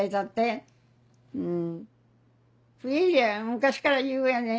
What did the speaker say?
昔から言うやね